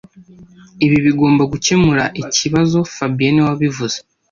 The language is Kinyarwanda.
Ibi bigomba gukemura ikibazo fabien niwe wabivuze